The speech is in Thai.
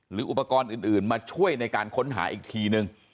หรืออุปกรณ์อื่นมาช่วยในการค้นหาอีกทีนึง